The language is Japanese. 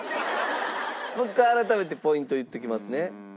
もう一回改めてポイント言っときますね。